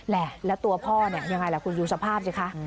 และตัวพ่ออย่างไรล่ะคุณอยู่สภาพสิคะ